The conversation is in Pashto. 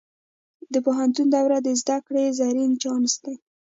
د پوهنتون دوره د زده کړې زرین چانس دی.